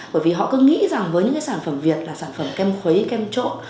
bởi vì họ cứ nghĩ rằng với những cái sản phẩm việt là sản phẩm kem khuấy kem trộn